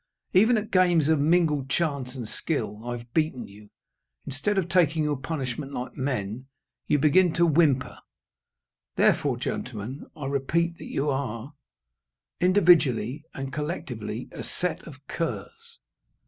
Even at games of mingled chance and skill, I've beaten you. Instead of taking your punishment like men, you begin to whimper. Therefore, gentlemen, I repeat that you are, individually and collectively, a set of curs."